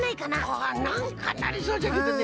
あなんかなりそうじゃけどね。